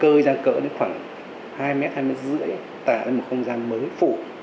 cơi ra cỡ đến khoảng hai m hai m ba mươi tạo ra một không gian mới phụ